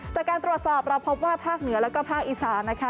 จากการตรวจสอบเราพบว่าภาคเหนือแล้วก็ภาคอีสานนะคะ